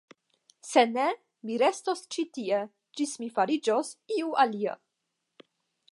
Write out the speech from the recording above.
Se ne, mi restos ĉi tie, ĝis mi fariĝos iu alia.